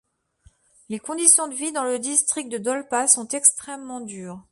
Les conditions de vie dans le district de Dolpa sont extrêmement dures.